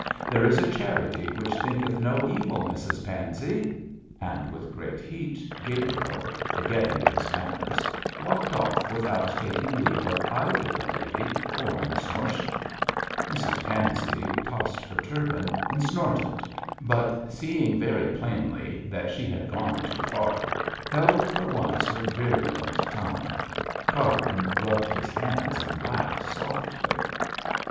There is a charity which thinketh no evil, Mrs Pansey,' and with great heat Gabriel, forgetting his manners, walked off without taking leave of either the lady or Miss Norsham. Mrs Pansey tossed her turban and snorted, but seeing very plainly that she had gone too far, held for once her virulent tongue. Cargrim rubbed his hands and laughed softly.